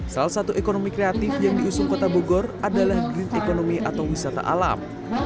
salah satu ekonomi kreatif yang diusung kota bogor adalah green economy atau wisata alam